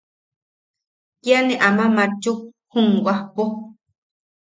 Kia ne ama matchuk jum wajpo.